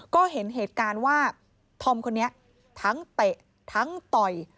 ก็เห็นเหตุการณ์ว่าธอมคนนี้ทั้งเตะทั้งต่อย